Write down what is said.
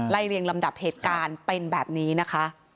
เรียงลำดับเหตุการณ์เป็นแบบนี้นะคะ